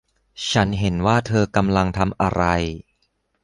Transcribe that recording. ฉันเห็นว่าเธอกำลังทำอะไร